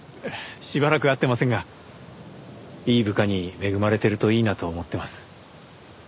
しばらく会ってませんがいい部下に恵まれてるといいなと思ってます。